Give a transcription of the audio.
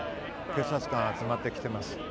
警察官が集まってきています。